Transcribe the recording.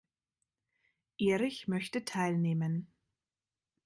Erich möchte teilnehmen.